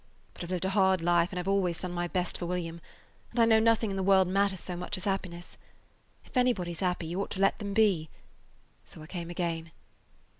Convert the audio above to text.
But I 've lived a hard life and I 've always done my best for William, and I know nothing in the world matters so much as happiness. If anybody 's happy, you ought to let them be. So I came again.